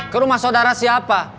ke rumah sodara siapa